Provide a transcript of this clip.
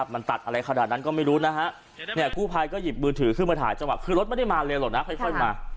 มันตัดอะไรขนาดนั้นก็ไม่รู้นะฮะเนี่ยกู้ภัยก็หยิบมือถือขึ้นมาถ่ายจังหวะคือรถไม่ได้มาเร็วหรอกนะค่อยมา